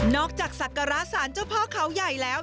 จากศักระสารเจ้าพ่อเขาใหญ่แล้ว